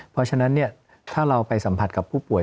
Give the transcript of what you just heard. เพราะฉะนั้นถ้าเราไปสัมผัสกับผู้ป่วย